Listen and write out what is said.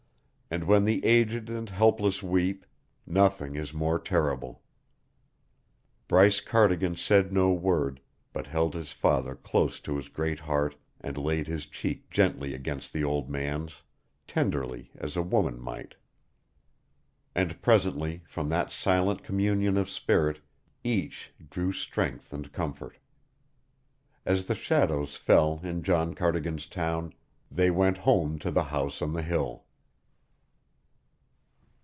And when the aged and helpless weep, nothing is more terrible. Bryce Cardigan said no word, but held his father close to his great heart and laid his cheek gently against the old man's, tenderly as a woman might. And presently, from that silent communion of spirit, each drew strength and comfort. As the shadows fell in John Cardigan's town, they went home to the house on the hill.